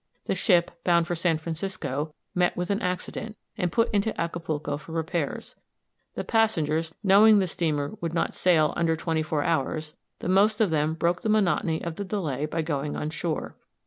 The ship, bound for San Francisco, met with an accident, and put into Acapulco for repairs. The passengers knowing the steamer would not sail under twenty four hours, the most of them broke the monotony of the delay by going on shore.